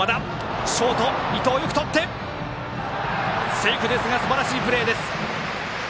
セーフですがすばらしいプレーです。